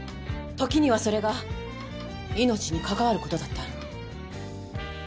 時にはそれが命に関わることだってあるの。